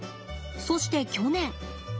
そして去年。